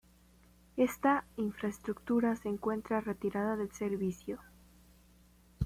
Esta infraestructura se encuentra retirada del servicio.